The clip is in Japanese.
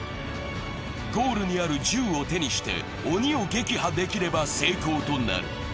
ゴールにある銃を手にして鬼を撃破できれば成功となる。